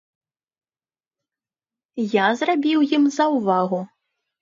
Я зрабіў ім заўвагу.